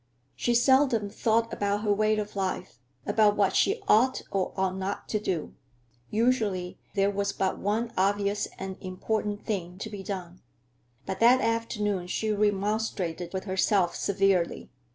She seldom thought about her way of life, about what she ought or ought not to do; usually there was but one obvious and important thing to be done. But that afternoon she remonstrated with herself severely.